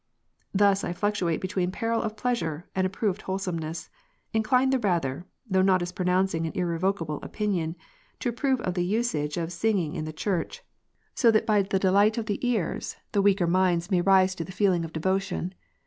Thus I fluctuate between peril of pleasure, and approved wholesomeness ; inclined the rather (though not as pronouncing an irrevocable opinion) to approve of tlie usage of singing in the church ; Unceasing temptations of the sight. 211 that so by the delight of the ears, the weaker minds may rise to the feeling of devotion.